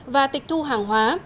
và tịch thu hàng hóa